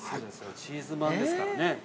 ◆チーズまんですからね。